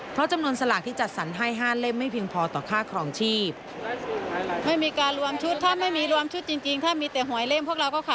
เพราะจำนวนสลากที่จัดสรรให้๕เล่มไม่เพียงพอต่อค่าครองชีพ